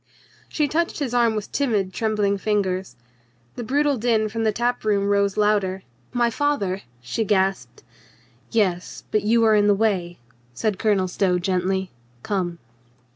She touched his arm with timid trembling fingers. The brutal din from the tap room rose louder. "My father !" she gasped. "Yes, but you are in the way," said Colonel Stow gently. "Come."